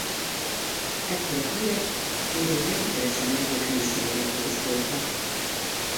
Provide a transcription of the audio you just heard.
Ekkor a hírek még egy rendszeresen megjelenő sorozatról szóltak.